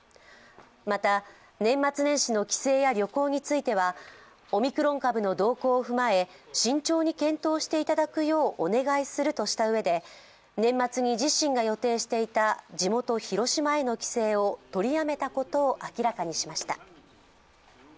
また年末年始の帰省や旅行についてはオミクロン株の動向を踏まえ、慎重に検討していただくようお願いするとしたうえで年末に自身が予定していた年末に自身が予定していた地元・広島への帰省を取りやめたことを明らかにしました。